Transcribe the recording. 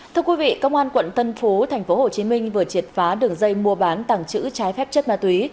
thưa quý vị công an quận tân phú tp hồ chí minh vừa triệt phá đường dây mua bán tẳng chữ trái phép chất ma túy